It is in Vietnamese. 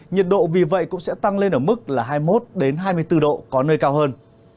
nhiệt độ vì vậy cũng sẽ tăng lên ở mức là hai mươi một hai mươi bốn độ có nơi cao hơn